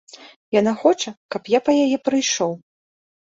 Яна хоча, каб я па яе прыйшоў.